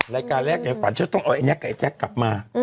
รายการแรกในฝันฉันต้องเอาไอ้แก๊กกับไอแต๊กกลับมา